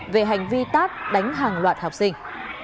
về hành vi tác đánh hàng loạt học sinh